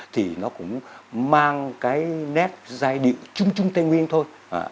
thì nó cũng mang cái nét giai điệu chung trung tây nguyên thôi